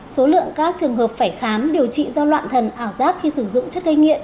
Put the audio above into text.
số lượng các trường hợp phải khám điều trị do loạn thần ảo giác khi sử dụng chất gây nghiện